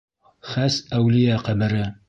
Хәс әүлиә ҡәбере.